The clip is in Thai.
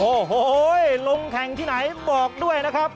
โอ้โหลงแข่งที่ไหนบอกด้วยนะครับ